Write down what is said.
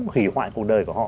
hủy hoại cuộc đời của họ